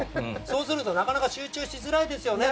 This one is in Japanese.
そうするとなかなか集中しづらいですね